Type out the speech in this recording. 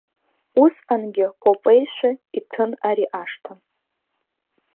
Усҟангьы кәапеишәа иҭәын ари ашҭа.